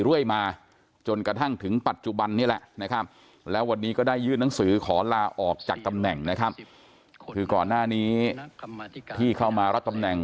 เรื่อยมาจนกระทั่งถึงปัจจุบันนี่แหละนะครับแล้ววันนี้ก็ได้ยื่นหนังสือขอลาออกจากตำแหน่งนะครับคือก่อนหน้านี้ที่เข้ามารับตำแหน่ง